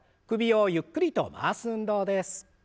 首をゆっくりと回す運動です。